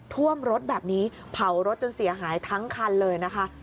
ท่วมรถแบบนี้เผารถจนเสียหายทั้งคันเลยนะคะ